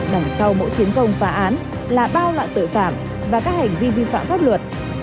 đằng sau mỗi chiến công phá án là bao loại tội phạm và các hành vi vi phạm pháp luật